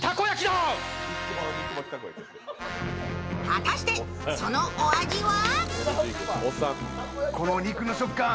果たして、そのお味は？